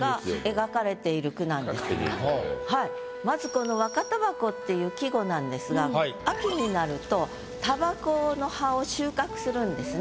まずこの「若煙草」っていう季語なんですが秋になると煙草の葉を収穫するんですね。